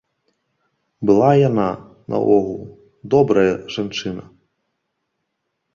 Была яна, наогул, добрая жанчына.